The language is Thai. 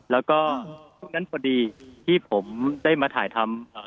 แล้วก็ช่วงนั้นพอดีที่ผมได้มาถ่ายทำ